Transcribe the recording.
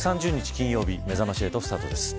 金曜日めざまし８スタートです。